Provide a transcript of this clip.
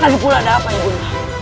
lagi pula ada apa ibu nda